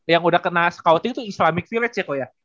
yang udah kena scouting tuh islamic village ya